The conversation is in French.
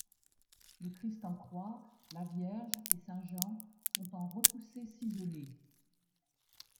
Le Christ en croix, la Vierge et Saint Jean sont en repoussé-ciselé.